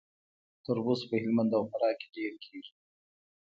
تربوز په هلمند او فراه کې ډیر کیږي.